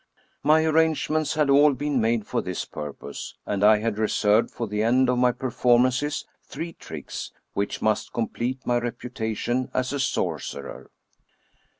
My arrangements had all been made for this purpose, and I had reserved for the end of my performances three tricks, which must complete my reputation as a sorcerer.